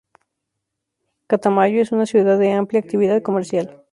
Catamayo es una ciudad de amplia actividad comercial.